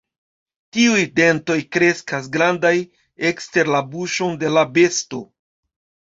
Tiuj dentoj kreskas grandaj, ekster la buŝon de la besto.